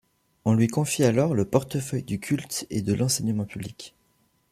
On lui confie alors le portefeuille du Culte et de l'Enseignement Public.